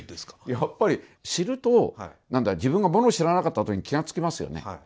やっぱり知ると自分がものを知らなかったことに気がつきますよね。